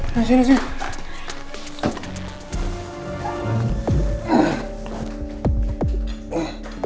nah sini sini